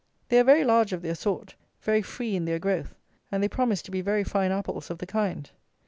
They are very large of their sort; very free in their growth; and they promise to be very fine apples of the kind.